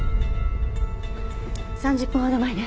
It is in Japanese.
３０分ほど前ね。